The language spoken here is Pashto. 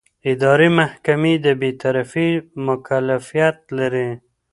اداري محکمې د بېطرفۍ مکلفیت لري.